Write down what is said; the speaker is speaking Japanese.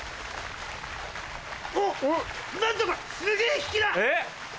すげぇ引きだ！